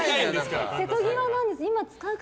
瀬戸際なんです。